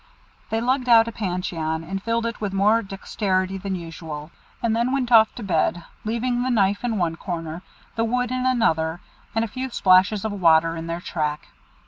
They lugged out a pancheon, and filled it with more dexterity than usual, and then went off to bed, leaving the knife in one corner, the wood in another, and a few splashes of water in their track.